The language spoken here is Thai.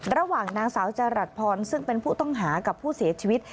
ระหว่างนางสาวจรัสพรซึ่งเป็นผู้ต้องหากับผู้เสียชีวิต